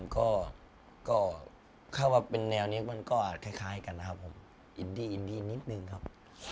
ถ้าบอกว่าเป็นแนวนี้ก็อาจคล้ายกันนะครับผมอินดี้นิดนึงครับ